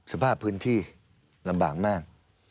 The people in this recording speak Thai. สภาพพื้นที่ลำบากมาก